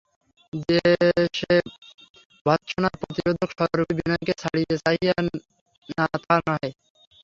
সে যে ভর্ৎসনার প্রতিরোধক-স্বরূপেই বিনয়কে ছাড়িতে চাহিল না তাহা নহে।